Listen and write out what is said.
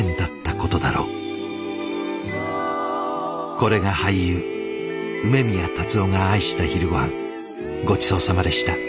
これが俳優梅宮辰夫が愛した昼ごはんごちそうさまでした。